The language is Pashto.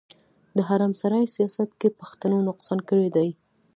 د حرم سرای سياست کې پښتنو نقصان کړی دی.